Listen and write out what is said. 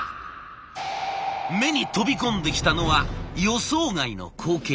目に飛び込んできたのは予想外の光景。